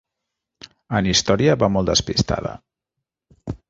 En història va molt despistada.